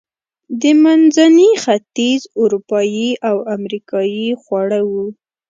د منځني ختیځ، اروپایي او امریکایي خواړه و.